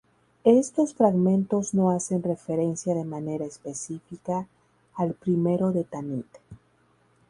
Estos fragmentos no hacen referencia de manera específica al Primero de Tanith.